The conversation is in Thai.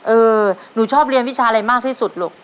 เออหนูชอบเรียนวิชาอะไรมากที่สุดลูก